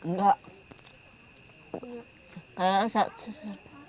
makannya tiga kali sehari nggak